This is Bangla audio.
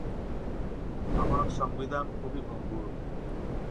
আমার সংবিধান খুবই ভঙ্গুর।